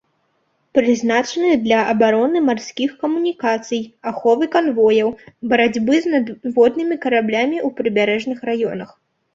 Прызначаны для абароны марскіх камунікацый, аховы канвояў, барацьбы з надводнымі караблямі ў прыбярэжных раёнах.